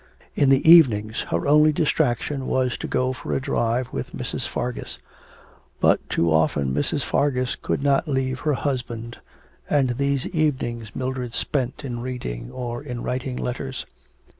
In the evenings her only distraction was to go for a drive with Mrs. Fargus. But too often Mrs. Fargus could not leave her husband, and these evenings Mildred spent in reading or in writing letters.